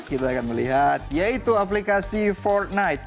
kita akan melihat yaitu aplikasi fortnite